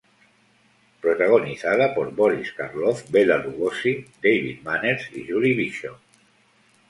Protagonizada por Boris Karloff, Bela Lugosi, David Manners y Julie Bishop.